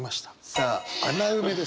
さあ穴埋めです。